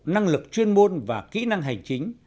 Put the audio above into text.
năng lực chuyên môn và kỹ năng hành chính